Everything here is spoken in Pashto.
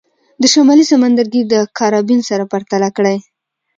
د شمالي سمندرګي د کارابین سره پرتله کړئ.